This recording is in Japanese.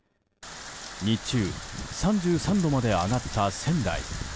日中、３３度まで上がった仙台。